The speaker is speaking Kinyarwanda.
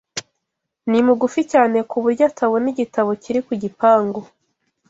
Ni mugufi cyane ku buryo atabona igitabo kiri ku gipangu